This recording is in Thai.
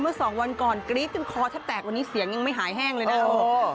สองวันก่อนกรี๊ดจนคอแทบแตกวันนี้เสียงยังไม่หายแห้งเลยนะ